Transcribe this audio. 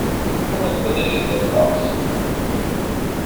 Como ele poderia ser falso?